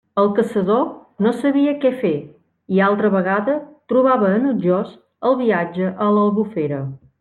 El caçador no sabia què fer, i altra vegada trobava enutjós el viatge a l'Albufera.